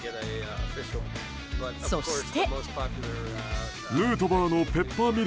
そして。